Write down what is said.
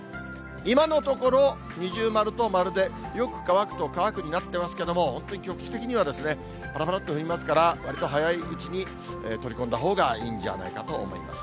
今のところ、二重丸と丸で、よく乾くと乾くになってますけども、本当に局地的にはぱらぱらっと降りますから、わりと早いうちに取り込んだほうがいいんじゃないかと思います。